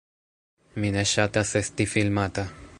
Mi ne ŝatas esti filmata